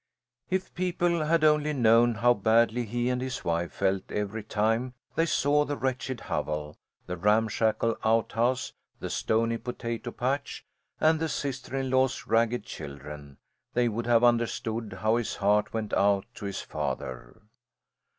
If people had only known how badly he and his wife felt every time they saw the wretched hovel, the ramshackle outhouse, the stony potato patch, and the sister in law's ragged children, they would have understood how his heart went out to his father.